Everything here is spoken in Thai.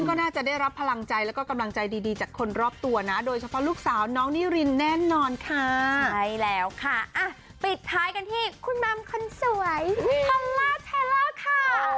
ปิดท้ายกันที่คุณบำคนสวยฮัลล่าชัยล่าค่ะ